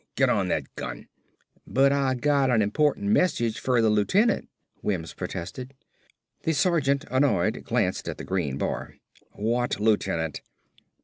Get on that gun!" "But Ah got an important message fer the lieutenant," Wims protested. The sergeant, annoyed, glanced at the green bar. "What lieutenant?"